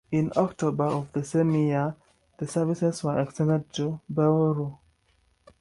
In October of the same year, the services were extended to Bauru.